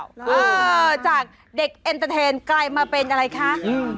ว๔กับเหมือนเด็กร้ายฟาเอ่อจากเด็กกลายมาเป็นอะไรคะอืม